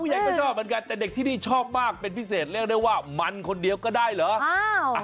ใหญ่ก็ชอบเหมือนกันแต่เด็กที่นี่ชอบมากเป็นพิเศษเรียกได้ว่ามันคนเดียวก็ได้เหรอ